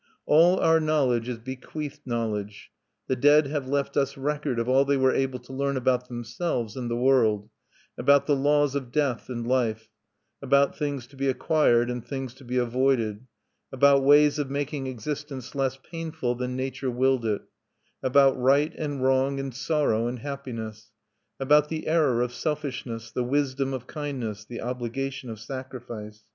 All our knowledge is bequeathed knowledge. The dead have left us record of all they were able to learn about themselves and the world, about the laws of death and life, about things to be acquired and things to be avoided, about ways of making existence less painful than Nature willed it, about right and wrong and sorrow and happiness, about the error of selfishness, the wisdom of kindness, the obligation of sacrifice.